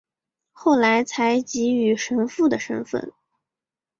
最后才给予神父的身分。